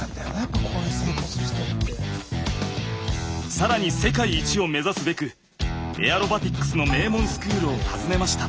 更に世界一を目指すべくエアロバティックスの名門スクールを訪ねました。